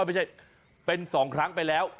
ไม่ใช่เป็น๒ครั้งไปแล้ว